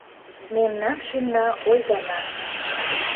Мемнан шӱмна ойгана.